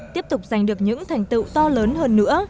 tiếp tục giành được những thành tựu to lớn hơn nữa